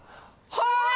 はい！